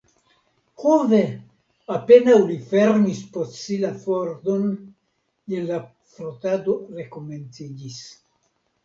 Ho ve, apenaŭ li fermis post si la pordon, jen la frotado rekomenciĝis.